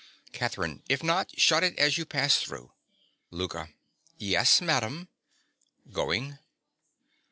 CATHERINE. If not, shut it as you pass through. LOUKA. Yes, madam. (_Going.